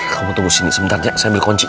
kamu tunggu sini sebentar saya ambil kunci